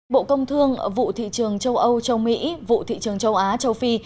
bộ công thương vụ thị trường châu âu châu mỹ vụ thị trường châu á châu phi